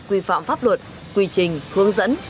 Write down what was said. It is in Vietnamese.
quy phạm pháp luật quy trình hướng dẫn